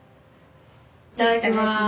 いただきます。